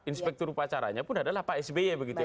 inspektur upacaranya pun adalah pak sby begitu ya